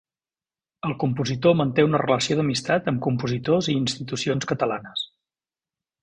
El compositor manté una relació d'amistat amb compositors i institucions catalanes.